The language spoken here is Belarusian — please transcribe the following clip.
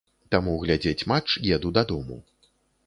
Таму глядзець матч еду дадому.